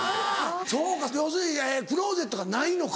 そうか要するにクローゼットがないのか。